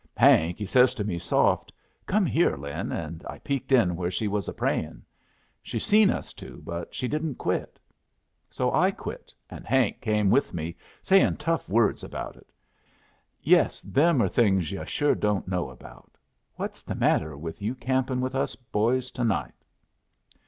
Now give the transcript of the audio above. Hank, he says to me soft, 'Come here, Lin,' and I peeped in where she was a prayin'. She seen us two, but she didn't quit. So I quit, and Hank came with me, sayin' tough words about it. Yes, them are things yu' sure don't know about. What's the matter with you camping with us boys tonight?"